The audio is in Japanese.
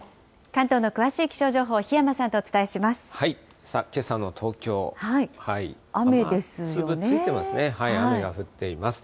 関東の詳しい気象情報、檜山さんとお伝えします。